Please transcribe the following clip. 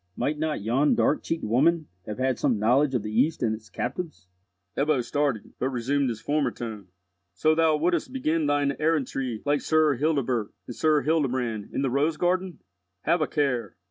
Might not yon dark cheeked woman have had some knowledge of the East and its captives?" Ebbo started, but resumed his former tone. "So thou wouldst begin thine errantry like Sir Hildebert and Sir Hildebrand in the 'Rose garden'? Have a care.